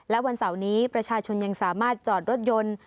และวันเสาร์นี้ประชาชนยังสามารถจอดรถยนต์